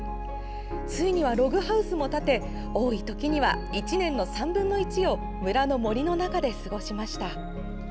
ついにはログハウスも建て多い時には１年の３分の１を村の森の中で過ごしました。